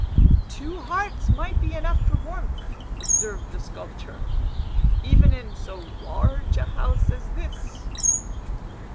"Two hearts might be enough for warmth," observed the sculptor, "even in so large a house as this.